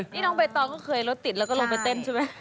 นี่น้องใบตองก็เคยรถติดแล้วก็ลงไปเต้นใช่ไหม